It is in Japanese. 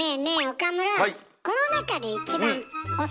岡村。